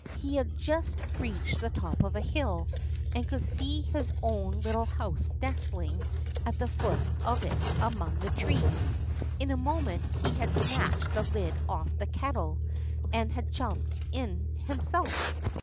He had just reached the top of a hill, and could see his own little house nestling at the foot of it among the trees. In a moment he had snatched the lid off the kettle and had jumped in himself.